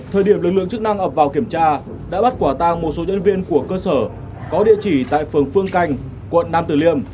thời điểm lực lượng chức năng ập vào kiểm tra đã bắt quả tang một số nhân viên của cơ sở có địa chỉ tại phường phương canh quận nam tử liêm